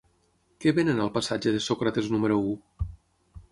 Què venen al passatge de Sòcrates número u?